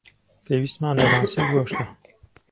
پێویستمان بە ماسی و گۆشتە.